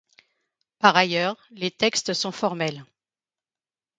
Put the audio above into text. Par ailleurs, les textes sont formels.